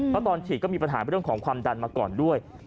เพราะตอนฉีดก็มีปัญหาเรื่องของความดันมาก่อนด้วย